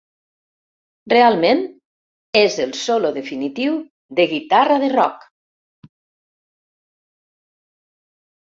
Realment és el solo definitiu de guitarra de rock.